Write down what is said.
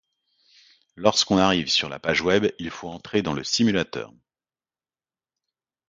Lorsque l'on arrive sur la page web, il faut entrer dans le simulateur.